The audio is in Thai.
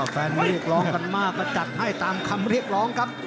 แฟนเรียกร้องกันมากก็จัดให้ตามคำเรียกร้องครับ